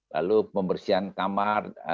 lalu pembersihan kamar